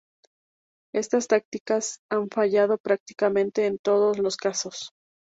Estas tácticas han fallado prácticamente en todos los casos.